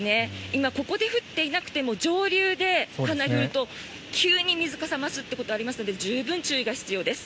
今ここで降っていなくても上流でかなり降ると急に水かさが増すことがあるので十分注意が必要です。